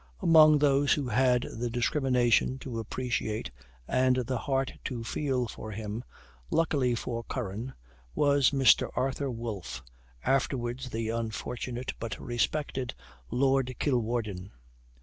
Among those who had the discrimination to appreciate, and the heart to feel for him, luckily for Curran, was Mr. Arthur Wolfe, afterwards the unfortunate, but respected Lord Kilwarden.